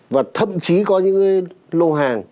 và thậm chí có những cái lô hàng